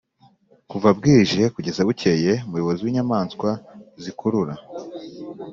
Kuva bwije kugeza bukeye umuyobozi w'inyamaswa zikurura